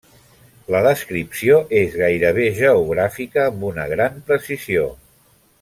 La descripció és gairebé geogràfica amb una gran precisió.